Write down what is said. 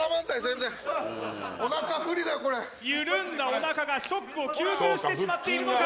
緩んだおなかがショックを吸収してしまっているのか！？